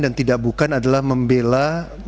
dan tidak bukan adalah membela